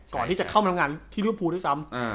ก่อนที่จะเข้ามาทำงานที่ริวภูด้วยซ้ำ